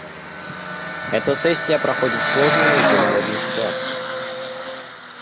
Эта сессия проходит в сложной международной ситуации.